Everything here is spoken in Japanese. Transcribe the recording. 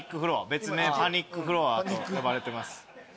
別名パニックフロアと呼ばれてます。